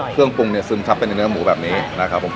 เครื่องปรุงเนี่ยซึมซับไปในเนื้อหมูแบบนี้นะครับผม